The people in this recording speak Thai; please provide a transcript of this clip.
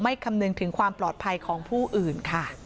ไม่คำเนินถึงความปลอดภัยของผู้อื่น